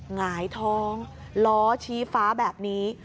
หงายท้องล้อชี้ฟ้าแบบนี้